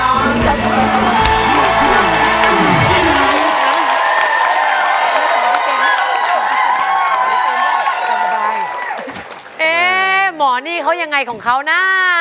หมอนี่เขายังไงของเขานะ